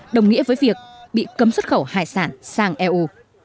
đồng nghĩa với việc bị cấm xuất khẩu hải sản sang eu